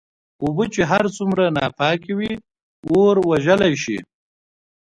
اوبه چې هرڅومره ناپاکي وي اور وژلی شې.